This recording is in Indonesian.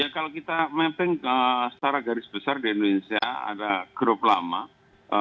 ya kalau kita mapping secara garis besar di indonesia ada grup lama